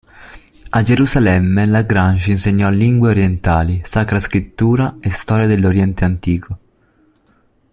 A Gerusalemme Lagrange insegnò lingue orientali, Sacra Scrittura e storia dell’oriente antico.